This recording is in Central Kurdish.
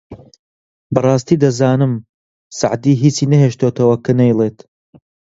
! بەڕاستی دەزانم سەعدی هیچی نەهێشتۆتەوە کە نەیڵێت